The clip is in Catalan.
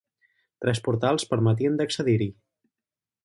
Tres portals permetien d'accedir-hi.